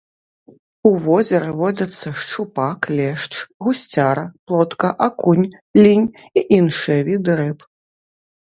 У возеры водзяцца шчупак, лешч, гусцяра, плотка, акунь, лінь і іншыя віды рыб.